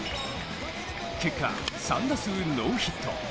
結果、３打数ノーヒット。